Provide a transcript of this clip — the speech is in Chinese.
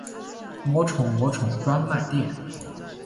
魔宠魔宠专卖店